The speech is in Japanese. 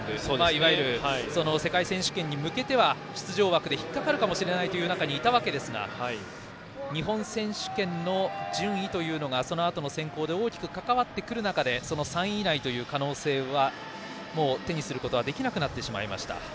いわゆる世界選手権に向けては出場枠で引っかかるかもしれないという中にいたわけですが日本選手権の順位というのがそのあとの選考に大きく関わってくる中３位以内という可能性は手にすることはできなくなってしまいました。